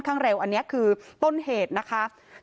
ชุมชนแฟลต๓๐๐๐๐คนพบเชื้อ๓๐๐๐๐คนพบเชื้อ๓๐๐๐๐คน